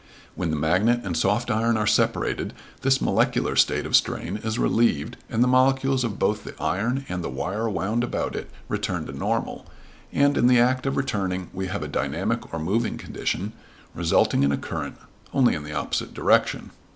When the magnet and soft iron are separated this molecular state of strain is relieved and the molecules of both the iron and the wire wound about it return to normal, and in the act of returning we have a dynamic or moving condition, resulting in a current, only in the opposite direction.